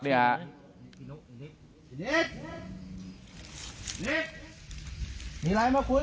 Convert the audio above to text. นี่ครับ